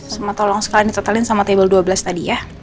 sama tolong sekalian ditotalin sama table dua belas tadi ya